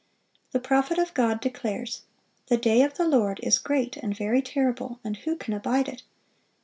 The prophet of God declares: "The day of the Lord is great and very terrible; and who can abide it?"